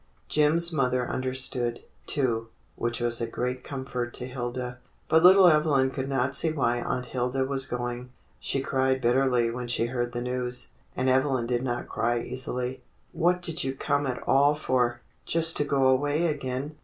Jim's mother understood, too, which was a great comfort to Hilda; but little Evelyn could not see why Aunt Hilda was going. She cried bitterly when she heard the news, and Evelyn did not cry easily. "What did you come at all for, just to go away again